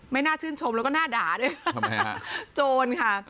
ไม่น่าชื่นชมแล้วก็น่าด่าเจ้าจนค่ะ